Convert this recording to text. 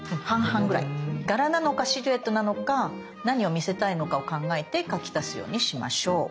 柄なのかシルエットなのか何を見せたいのかを考えて描き足すようにしましょう。